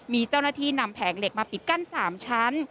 มีเจ้าหน้าที่นำแผงเหล็กมาปิดกั้น๓ชั้น